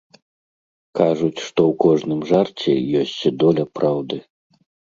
Кажуць, што ў кожным жарце ёсць доля праўды.